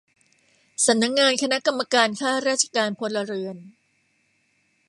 สำนักงานคณะกรรมการข้าราชการพลเรือน